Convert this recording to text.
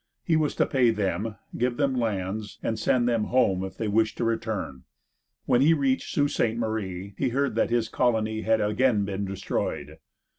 He was to pay them, give them lands, and send them home if they wished to return. When he reached Sault Ste. Marie he heard that his colony had again been destroyed.